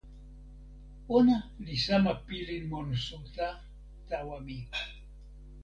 ona li sama pilin monsuta tawa mi.